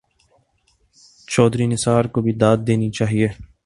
چوہدری نثار کو بھی داد دینی چاہیے۔